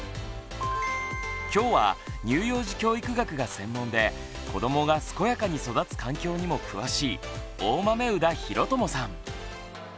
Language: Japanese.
今日は乳幼児教育学が専門で子どもが健やかに育つ環境にも詳しい大豆生田啓友さん